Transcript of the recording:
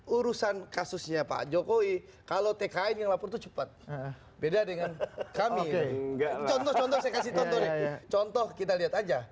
urusan kasusnya pak jokowi kalau tki yang lapor cepat beda dengan kami contoh contoh kita lihat aja